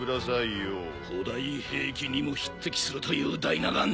古代兵器にも匹敵するというダイナ岩。